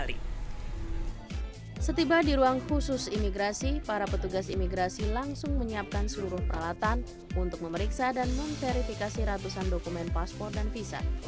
setiba di ruang khusus imigrasi para petugas imigrasi langsung menyiapkan seluruh peralatan untuk memeriksa dan memverifikasi ratusan dokumen paspor dan visa